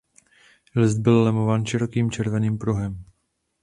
List byl lemován širokým červeným pruhem.